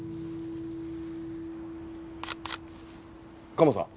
カモさん。